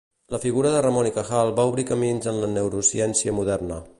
La figura de Ramon y Cajal va obrir camins en la neurociència moderna.